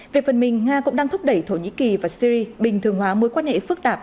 về phần mình nga cũng đang thúc đẩy thổ nhĩ kỳ và syri bình thường hóa mối quan hệ phức tạp